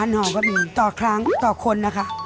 ห่อก็มีต่อครั้งต่อคนนะคะ